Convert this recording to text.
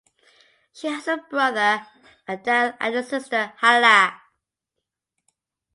She has a brother, Adel and a sister, Hala.